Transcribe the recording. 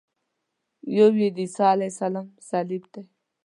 یو یې د عیسی علیه السلام صلیب دی.